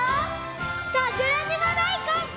桜島大根！